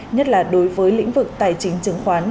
nhất là đối với lĩnh vực tài chính chứng khoán